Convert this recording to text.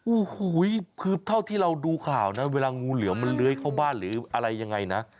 โอ้โหคือเท่าที่เราดูข่าวนะเวลางูเหลือมมันเลื้อยเข้าบ้านหรืออะไรยังไงนะ